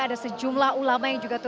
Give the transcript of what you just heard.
ada sejumlah ulama yang juga